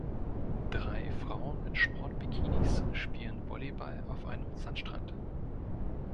Drei Frauen in Sport-Bikinis spielen Volleyball auf einem Sandstrand.